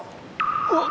うわっ！